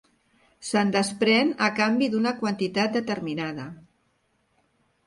Se'n desprèn a canvi d'una quantitat determinada.